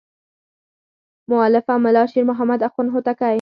مؤلفه ملا شیر محمد اخوند هوتکی.